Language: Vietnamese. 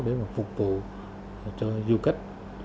để phục vụ cho du khách